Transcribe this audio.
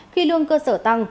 khi lương cơ sở tăng